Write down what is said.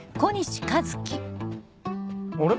あれ？